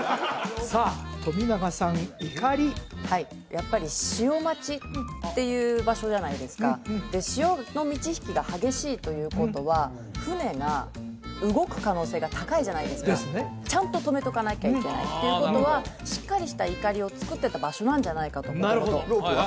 やっぱり潮待ちっていう場所じゃないですかで潮の満ちひきが激しいということは船が動く可能性が高いじゃないですかちゃんととめとかなきゃいけないっていうことはしっかりした錨をつくってた場所なんじゃないかと元々なるほどロープは？